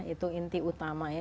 itu inti utama ya